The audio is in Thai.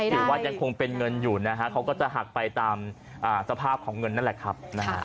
ถือว่ายังคงเป็นเงินอยู่นะฮะเขาก็จะหักไปตามสภาพของเงินนั่นแหละครับนะฮะ